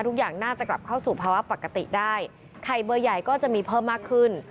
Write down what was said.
ทุกอย่างน่าจะกลับเข้าสู่ภาวะปกติได้ไข่เบอร์ใหญ่ก็จะมีเพิ่มมากขึ้น